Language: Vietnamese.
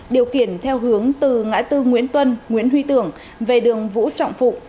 điều khiển theo hướng từ ngã tư nguyễn tuân nguyễn huy tưởng về đường vũ trọng phụ